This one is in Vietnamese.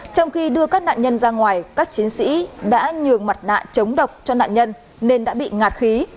trong khi đưa các nạn nhân ra ngoài các chiến sĩ đã nhường mặt nạ chống độc cho nạn nhân nên đã bị ngạt khí